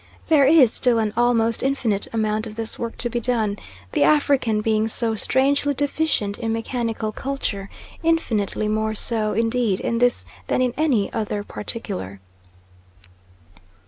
There is still an almost infinite amount of this work to be done, the African being so strangely deficient in mechanical culture; infinitely more so, indeed, in this than in any other particular.